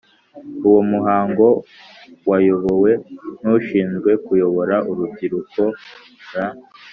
uwo muhango wayobowe n’ushinzwe kuyobora urubyiruko r